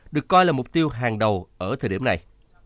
được coi là mục tiêu hàng đầu ở thời điểm này